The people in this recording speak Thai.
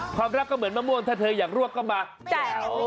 ความรักก็เหมือนมะม่วงถ้าเธออยากรวบก็มาแจ๋ว